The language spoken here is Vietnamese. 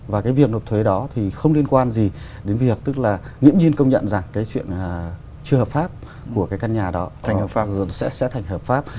và cái việc nộp thuế đó thì không liên quan gì đến việc tức là nghiễm nhiên công nhận rằng cái chuyện chưa hợp pháp của cái căn nhà đó sẽ trở thành hợp pháp